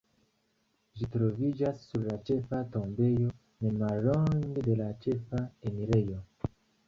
Ĝi troviĝas sur la ĉefa tombejo, ne mallonge de la ĉefa enirejo.